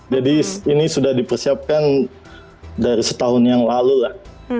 jadi ini sudah dipersiapkan dari setahun yang lalu lah